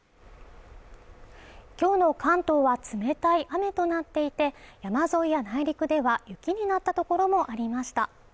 今日の関東は冷たい雨となっていて山沿いや内陸では雪になったところもありました